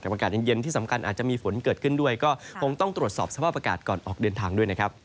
อากาศเย็นที่สำคัญอาจจะมีฝนเกิดขึ้นด้วยก็คงต้องตรวจสอบสภาพอากาศก่อนออกเดินทางด้วยนะครับ